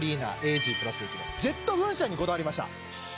ジェット噴射にこだわりました。